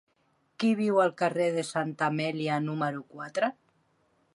Qui viu al carrer de Santa Amèlia número quatre?